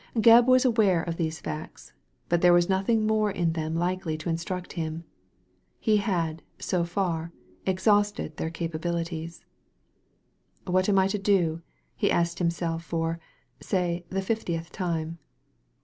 Gebb was aware of these fadts; but there was nothing more in them likely to instruct him. He had, so far, exhausted their capabilities. "What am I to do?" he asked himself for, say, the fiftieth time.